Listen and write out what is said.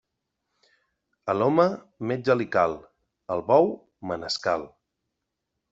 A l'home, metge li cal; al bou, manescal.